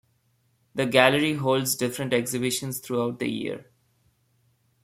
The gallery holds different exhibitions throughout the year.